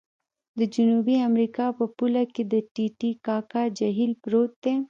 د جنوبي امریکا په پوله کې د ټې ټې کاکا جهیل پروت دی.